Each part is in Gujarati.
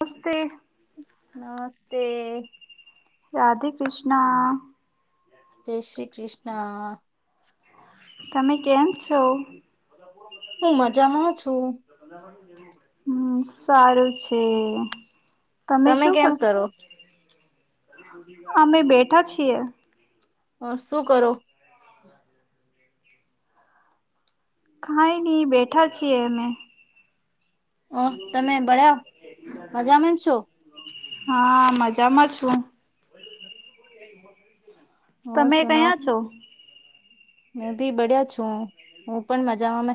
નમસ્તે નમસ્તે રાધે કૃષ્ણ જય શ્રી કૃષ્ણ તમે કેમ છો? હું મજામાં છું. હમ સારું છે તમે શું કેમ કર કરો અમે બેઠા છીએ શું કરો કાઈ નહીં બેઠા છીએ અમે હા તમે બધા મજામાં છો પાછું હ સુનાઓ મે ભી બડિયા છું હું પણ મજામાં ને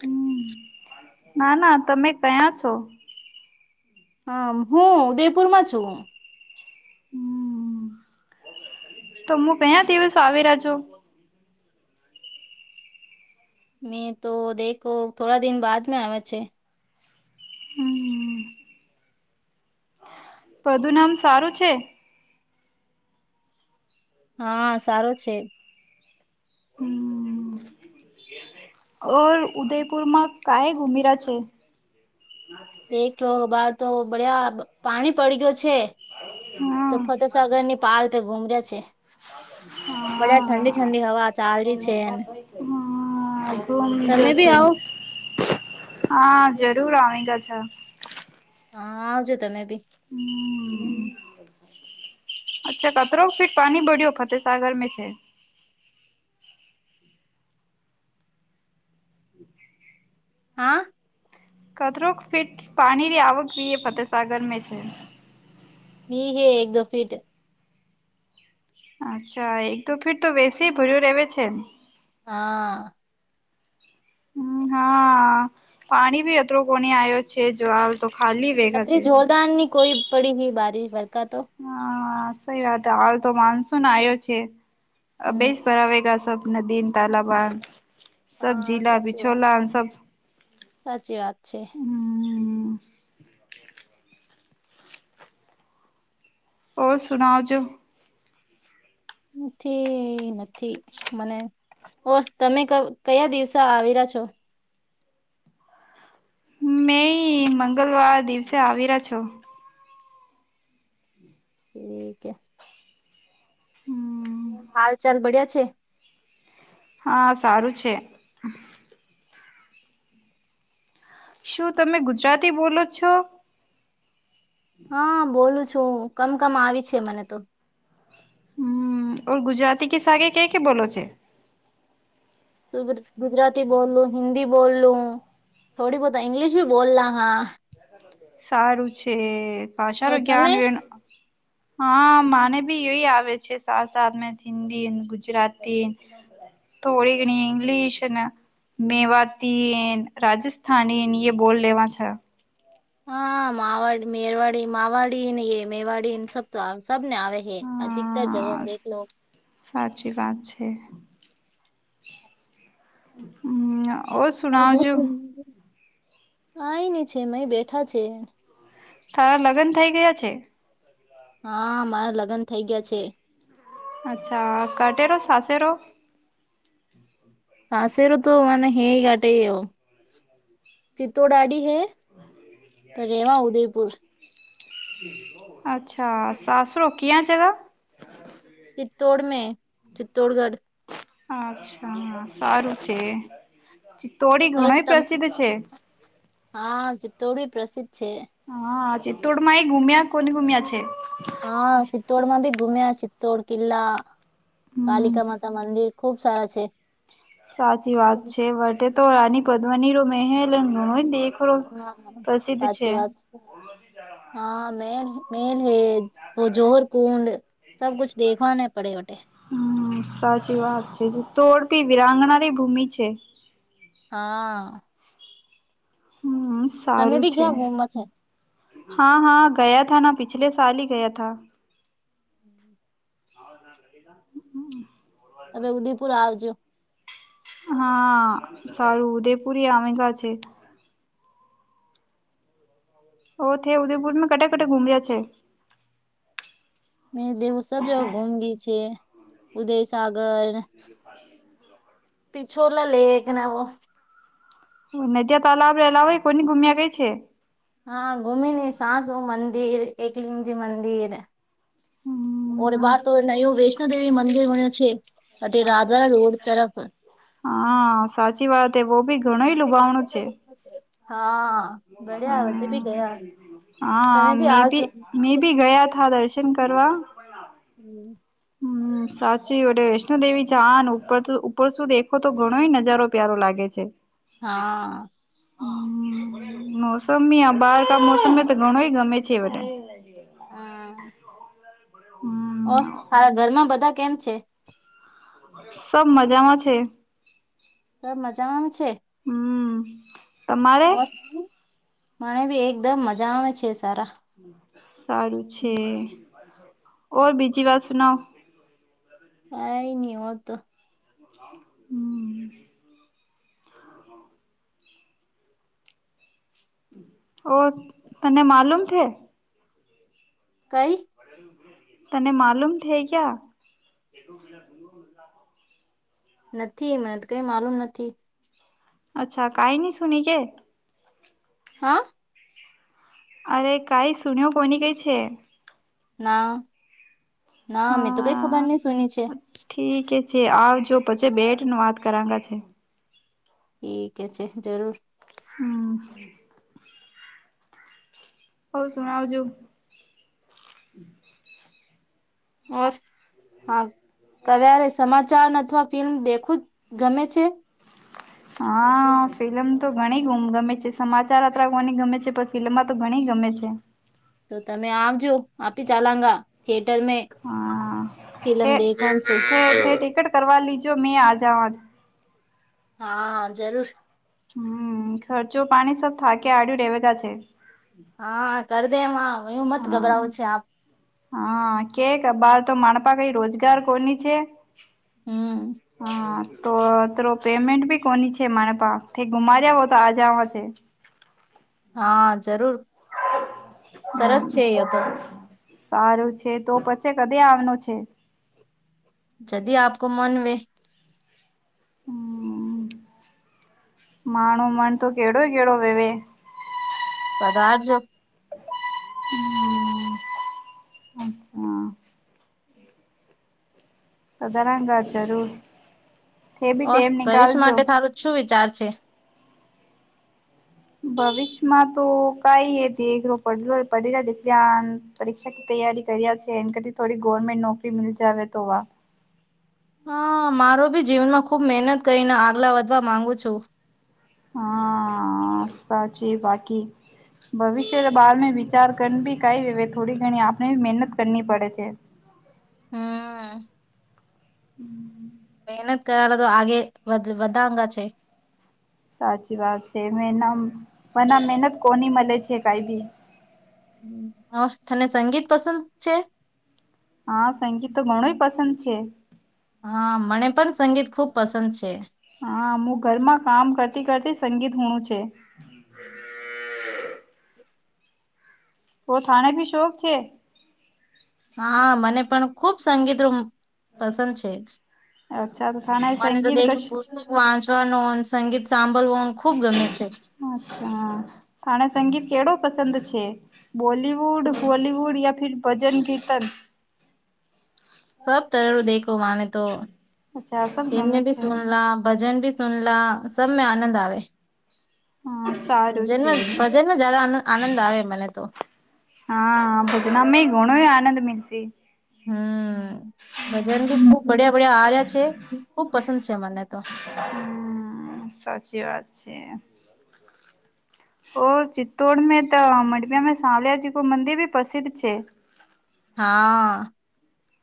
હમ ના ના તમે કયા છો હા હું ઉદયપુરમાં છું હમ તોમો કયા દિવસ આવી રહ્યા છો મેં તો દેખો થોડા દિન બાદ મે આવે છે હમ પધું નામ સારું છે હા સારો છે હમ ઓર ઉદયપુરમાં ક્યાં ગુમ્યા છે એકલો બાર તો બડ્યા પાણી પડી ગયો છે તો હા ફતેસાગર ની પાલ પે ગુમે છે બધા ઠંડી હા ઠંડી હવા ચાલે છે હા ગુમજો તમે બી છે આવો હા જરૂર આવે અચ્છા અચ્છા હા આવ જો તમે બી હમમ [inaudible] અચ્છા કત્રરો ફીટ પણી બડીયો ફતે સાાગર મે છે હા. કદરોક ફીટ પાણીની આવકવી એ ફતેસાગરમે છે યે હે એક દો ફિટ અચ્છા એક દો ફિર તો વેસી ભર્યો રેવે છે હા હમ હા પાણી ભી અતરો કોને આવ્યો છે જવાબ અત્રે જોરદારની કોઈ પડી હઈ બારીશ વરકા તો સઈ વાત હાલ તો માનસૂન આવ્યો છે હમ બેસ ભરાવેગ સબ નદીન તલાબન સબ હા જીલા સાચી વાત બિછોલા સબ સાચી વાત છે [inaudible] ઓર સુના જો નથી નથી મને ઓર તમે ક કયા દિવસ આવેરા છો મે મંગલવાર દિવસે આવી રહ્યા છો હમમ ઠીક છે [unintelligible] હમ. હાલ ચાલ બળ્યા છે હા સારું છે. શું તમે ગુજરાતી બોલો છો હા બોલું છું કમકમ આવી છે મને તો હમમ ઓર ગુજરાતી કે સાથ કે કે બોલો છે. ગુજરાતી બોલલું હિન્દી બોલલું થોડી બહુત ઇંગ્લિશ ભી બોલના હા સારું છે ભાષા ઓર નું તમે જ્ઞાન વેણ હા માને બી એય આવે છે સાત સાત મે હિન્દીને ગુજરાતી થોડી ઘણી ઇંગ્લિશ ને મેવાતી રાજસ્થાનીન એ બોલ લેવા છે હા માવાડી મેરવાડી માવાડી એ મેવાડીને સબ તો આવશે સબને આવે હૈ અધિકતર જગ હા દેખલો સાચી વાત છે હમ ઓ સુનાજું હ એ નહ છે મ બેઠા છે તારા લગ્ન થઈ ગયા છે. હા મારા લગ્ન થઇ ગયા છે. અચ્છા કટેરો સાાસે રો. સાાસર તો મને હે ગટ ચિતો ડાડી હે તો રેવા ઉદયપુર અચ્છા સાસ રોકિયા જગા ચિત્તતોડ મે ચિત્તૌડગઢ અચ્છા સારું છે. ચિત્તોડી હવે ઘણો તમ પ્રસિદ્ધ છે તોડી પ્રસિદ્ હા ચિત્તોડમાં એ ઘુમ્યા કોને ગુમ્યા છે. હા ચિત્તોડમાં બી ગુમ્યા ચિત્તોડ કિલ્લા હમ કાલિકા માતા મંદિર ખુબ સારા છે. સાચી વાત છે વટે તો રાની પદ્મની ર મહેલ ગણોય હા સાચી વાત છે હા મે- મેન હે વ જોહર કુંડ સબ કુછ દેખવા ને પડે વઠટે હમ સાચી વાત છે તોડપી વિરાંગનારી ભૂમિ છે હા હમ તમે સારું બી છે ક્યાં ગુમવા છે હા હા ગયા થ ના પિછલે સલ હ ગયા થા હમ હમ હવે ઉદેપુર આવજો હા સારું ઉદેપુરી આવેગા છે ઓ થ ઉદયપુરમાં કટા કટ ઘૂમ રહ્યા છે મે દેવ સ જ ઘુમ ગી છે ઉદયસાગર પિછોલા લેક ના વ નદીયા તાલાબ રહેલા હોય કોની ગુમ્યા ગઈ છે હા ઘુમી ને શા શું મંદિર એકલિંગજી મંદિર હમ ઓર બહાર તો નયું વૈષ્ણોદેવી મંદિર બન્યું છે રાધરા રોડ તરફ હા સાચી વાત એ બહ ભી ઘણું લુભાવણું છે હા બડ્યા વટે બી ગયા હ તમે હા બી મે આવજો ભી મેં ભી ગયા થા દર્શન કરવાવા હમ હમ સાચી એટ વૈષ્ણુ દેવી જ ઉપર ઉપર શું દેખો તો ઘણો નજારો પ્યારો લાગે છે હા મોસમ આ બાર ક મોસમમાં તો ઘણોય ગમે છે બધા હા ઓ હમ તારા ઘરમાં બધા કેમ છે સબા મજામાં છે ત મજામાંમાં છે હમ તમારે મને ભી એકદમ મજા આવે છે સારા સારું છે ઓર બીજી વાત સુનાવ કઈ નહી હો તો હમ ઓ તને માલુમ છે કઈ તને માલુમ થઇ ગયા નથી મને કઈ માલુમ નથી અચ્છા કઈ ન શની કે હા અરે કઈ સુન્યો કોની કઈ છે ના ના મેં તો કઈ ખબર હા નહ સુની છે ઠીકે છે આવજો પછી બેટ ન વાત કરંગ છે ઠીકે છે જરૂર હમ હવ સુણાવજો ઓર હા કવારે સમાચાર અથવા ફિલ્મ દેખું જ ગમે છે હા ફિલ્મ તો ઘણી ગમે છે સમાચાર અત્ર કોની ગમે છે પણ ફિલ્મમાં તો ઘણી ગમે છે તો તમે આવજો આપી ચાલાંગા થિયેટર મે હા ફિલ્મ દેખન છે ટિકટ કર લીજો મે આજાવ આજ હા જરૂર હમ ખર્ચો પાણી સબ થાકે આડયુ રેવેગા છે હા કરી દે એમ હ એ મત હા ગભરાવું છ આપ હા કે બાર તો માણપા કઈ રોજગાર કોની છે હમ હા તો ત પેમેન્ટ ભી કોની છે મારે પા ગુમાર્યા હો તો આ જાવાશે હા જરૂર સરસ છે એ તો સારું છે તો પછી કદી આવનો છે જદી આપકો મન વ મા મન તો કેડુ કેડુ વેવે કદાજ હમ અચ્છા સાધારણ વાજાર ઓ ભવિષ્ય માટે તારું શું વિચાર છે ભવિષ્યમાં તો કઈ એ દેખ પડલ પડેલા દીકન પરીક્ષા કી તૈ યારી કર્યા છે એ કર થોડી ગવર્મેન્ટ નોકરી મી જાવ તો વા હા મારો ભી જીવનમાં ખુબ મહેનત કરીને આગલા વધવા માંગુ છું હા સાચી બાકી ભવિષ્ય બાર વિચાર કર બી કઈ હ થોડી ઘણી આપણે મહેનત કર પડે છે. [unintelligible] હમ્મ મેહનત કરલા તો આગે બા અંગા છે સાચી વાત છે મે મ મહેનત કોની મળે છે કઈ ભી તને સંગીત પસંદ છે હા સંગીત તો ઘણુંય પસંદ છે હા મને પણ સંગીત ખુબ પસંદ છે હા હું ઘરમાં કામ કરતી કરતી સંગીત હુમુ છે. [unintelligible] ઓ થાને ભી શોખ છે હા, મને પણ ખુબ સંગીત પસંદ છે. અચ્છા તો થાને મને તો સંગીત દેખ કશ પુસ્તક વાંચવાનું, સંગીત સાંભળવું ખુબ ગમે છે. અચ્છા થણે સંગીત કેળુ પસંદ છે. બોલીવુડ, હોલીવુડ યા ફીર ભજન કીર્તન [unintelligible] સબ તરું દેખો માને તો અચ્છા સબ એને ગમે ભી છે. સુનલા, ભજન ભી સુનલા, સબમે આનંદ આવે. હા સારું છે. જનક, ભજનમાં જરા આનંદ આવે મને તો હા, ભુજના અમે ગુણ આનંદ મિલશે. હમ્મ, ભજન બી ખુબ બડિયા બડિયા આવ્યા છે. ખુબ પસંદ છે મને તો. હમ, સાચી વાત છે. ઓ ચિત્તૌડ, મે તો મઢિયામા સાવલિયાજીી, કો મંદિર ભી પ્રસિદ્ધ છે. હા.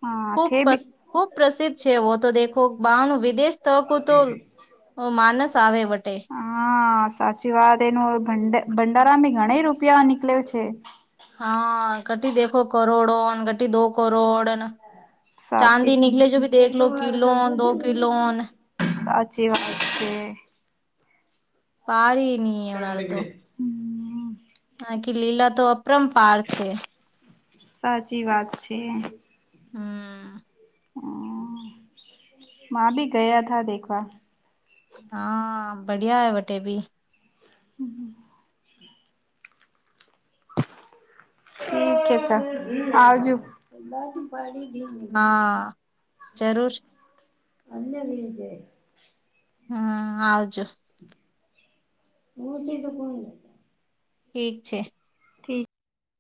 હા ખુબ, થે બી ખુબ પ્રસિદ્ધ છે. તો દેખો બાહણ વિદેશ, તકુ તો માનસ આવે વટે હા, સાચી વાત. એનું ભંડ ભડારા ગણી રૂપિયા નીકળે છે. હા, ઘટી દેખો કરોડ ઘતિ દો કરોડ સાચી ચાંદી નિકલે, જો ભી તો એક લો એકદમ કિલો દો કલો જીવન, છે. પાારની એના રહે, તો હમ નાકી લીલા, તો અપરમ પાર છે. સાચી વાત છે. હમ્મ. હમ્મ, મા ભી ગયા થા દેખવા હા, બડિયા હો વટે ભી હમ્મ, હ ઠીક હે સબ, આવજો હા, જરૂર. [unintelligible] હમ, આવજો હા છે, તો કોનુ ઠીક, છે.